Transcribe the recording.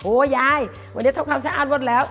ยายวันนี้ทำความสะอาดหมดแล้ว